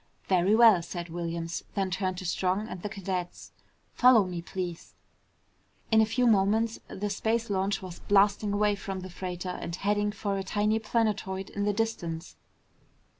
"Very well," said Williams, then turned to Strong and the cadets. "Follow me, please." In a few moments the space launch was blasting away from the freighter and heading for a tiny planetoid in the distance.